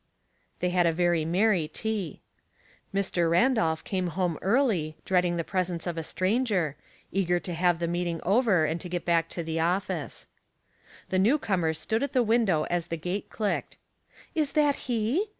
They had a very merry tea. Mr. Randolph came home early, dreading the presence of a stranger — eager to have the meet ing over and to get back to his office. The new comer stood at the window as the gate clicked. " Is that he